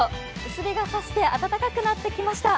薄日が差してあたたかくなってきました。